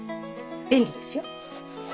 便利ですよ。